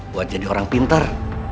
buat jadi orang pintar